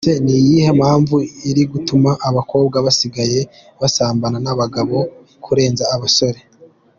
Ese ni iyihe mpamvu iri gutuma abakobwa basigaye basambana n’abagabo kurenza abasore?.